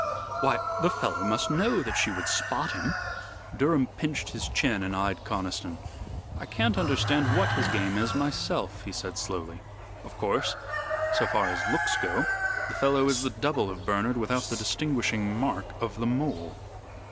"Why, the fellow must know that she would spot him." Durham pinched his chin and eyed Conniston. "I can't understand what his game is myself," he said slowly. "Of course, so far as looks go, the fellow is the double of Bernard without the distinguishing mark of the mole."